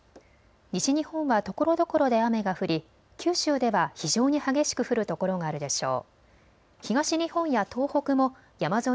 西日本はところどころで雨が降り九州では非常に激しく降る所があるでしょう。